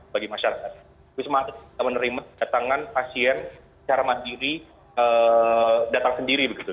bagi masyarakat wisma adit menerima datangan pasien secara mandiri datang sendiri begitu